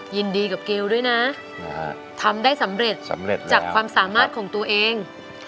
ยินดีกับเกลด้วยนะทำได้สำเร็จสำเร็จจากความสามารถของตัวเอง